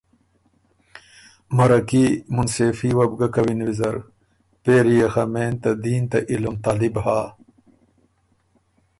مرکي، مُنصېفي وه بو کوِن ویزر۔ پېری يې خه مېن ته دین ته علُم طالب هۀ